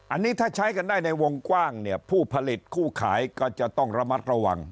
อันนี้ถ้าใช้กันได้ในวงกว้างเนี่ยผู้ผลิตผู้ขายก็จะต้องระมัดระวัง